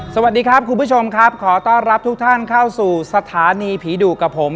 สวัสดีครับคุณผู้ชมครับขอต้อนรับทุกท่านเข้าสู่สถานีผีดุกับผม